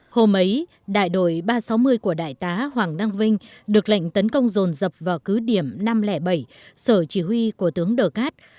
hôm ấy đại đội ba trăm sáu mươi của đại tá hoàng đăng vinh được lệnh tấn công rồn dập vào cứ điểm năm trăm linh bảy sở chỉ huy của tướng đờ cát